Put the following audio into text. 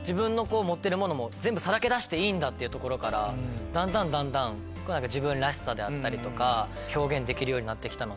自分の持ってるものもさらけ出していいんだ！っていうところから自分らしさであったりとか表現できるようになってきたので。